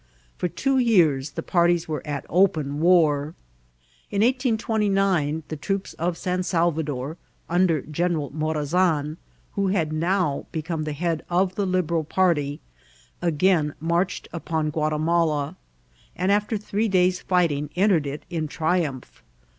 For two years the parties were at open vrar. In 1829 the troops of San Salvador, un der General Morazan, who had now become the head of the Liberal party, again marched upon Guatimala, and, after three days' fighting, entered it in triumj^.